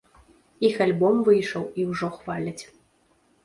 Іх альбом выйшаў, і ўжо хваляць.